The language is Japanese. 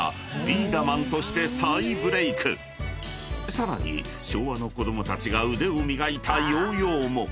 ［さらに昭和の子供たちが腕を磨いたヨーヨーも］